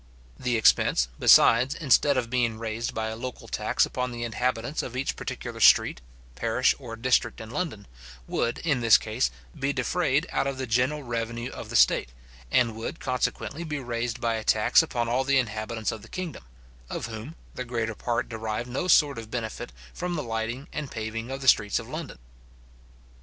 The expense, besides, instead of being raised by a local tax upon the inhabitants of each particular street, parish, or district in London, would, in this case, be defrayed out of the general revenue of the state, and would consequently be raised by a tax upon all the inhabitants of the kingdom, of whom the greater part derive no sort of benefit from the lighting and paving of the streets of London.